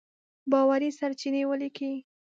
باوري سرچينې وليکئ!.